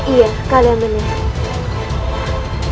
iya kalian benar